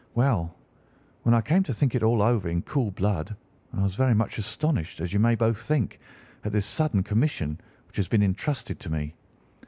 "Well, when I came to think it all over in cool blood I was very much astonished, as you may both think, at this sudden commission which had been intrusted to me.